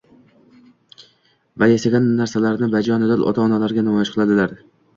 va yasagan narsalarini bajonidil ota-onalariga namoyish qiladilar